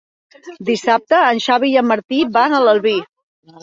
Dissabte en Xavi i en Martí van a l'Albi.